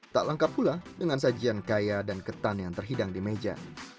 tak lengkap pula dengan sajian kaya dan ketan yang terhidang di meja